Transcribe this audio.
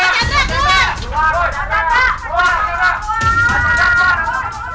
pak chandra keluar